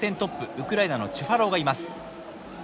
ウクライナのチュファロウがいます。